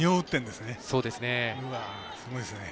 すごいですね。